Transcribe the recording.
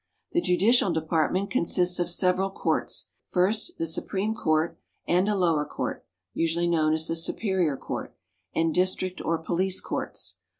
The Judicial department consists of several courts: first, the Supreme Court, and a lower court, usually known as the Superior Court, and District or Police Courts.